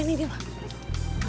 ini anak gue nih dia